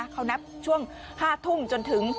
เค้านับช่วงห้าทุ่มจนถึง